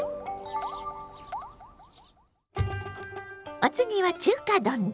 お次は中華丼です。